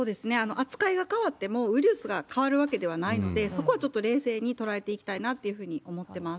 扱いが変わっても、ウイルスが変わるわけではないので、そこはちょっと冷静に捉えていきたいなっていうふうに思ってます。